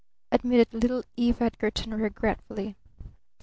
admitted little Eve Edgarton regretfully.